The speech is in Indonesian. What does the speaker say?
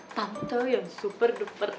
tante yang super duper